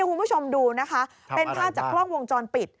คุณผู้ชมดูนะคะเป็นภาพจากกล้องวงจรปิด